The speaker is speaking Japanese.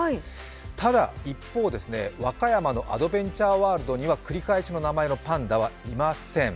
ただ、一方、和歌山のアドベンチャーワールドには繰り返しの名前のパンダはいません。